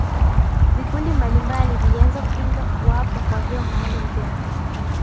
vikundi mbalimbali vilianza kupinga kuwapo kwa vyeo maalumu vya